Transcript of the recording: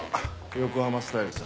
横浜スタイルさ。